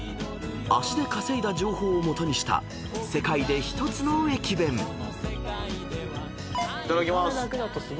［足で稼いだ情報を基にした世界で一つの駅弁］いただきます。